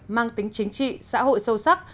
mang tính chính trị xã hội sâu sắc